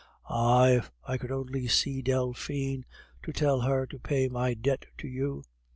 Ah! if I could only see Delphine, to tell her to pay my debt to you.